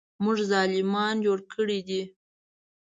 موږ ظالمان جوړ کړي دي.